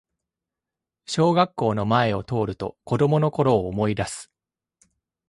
小学校の前を通ると子供のころを思いだす